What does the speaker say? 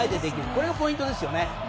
これがポイントですよね。